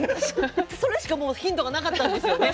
それしかもうヒントがなかったんですよね。